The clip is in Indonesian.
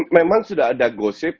memang sudah ada gosip